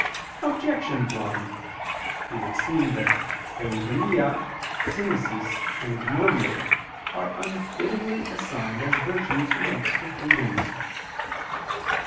Objection 1: It would seem that "eubulia, synesis, and gnome" are unfittingly assigned as virtues annexed to prudence.